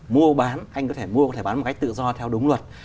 mua bán anh có thể mua có thể bán một cách tự do theo đúng luật